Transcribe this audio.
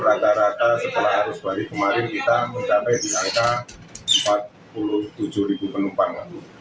rata rata penumpang arus balik setiap harinya mencapai empat puluh tujuh penumpang